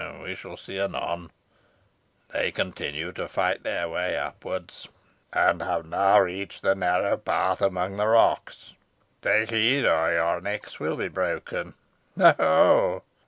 We shall see anon. They continue to fight their way upward, and have now reached the narrow path among the rocks. Take heed, or your necks will be broken. Ho! ho!